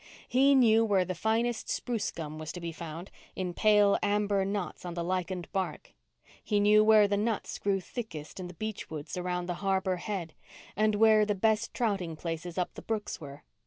He knew where the finest spruce gum was to be found, in pale amber knots on the lichened bark, he knew where the nuts grew thickest in the beechwoods around the Harbour Head, and where the best trouting places up the brooks were.